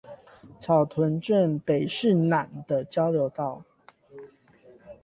草屯鎮北勢湳的交流道